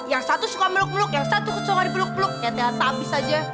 yang satu suka meluk meluk yang satu suka dipeluk peluk ya teta abis aja